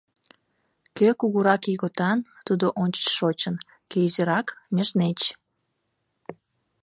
Кӧ кугурак ийготан — тудо ончыч шочын, кӧ изирак — межнеч.